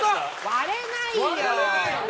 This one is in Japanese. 割れないよ！